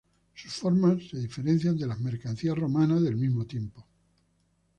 Sus formas se diferencian de las mercancías romanas del mismo tiempo.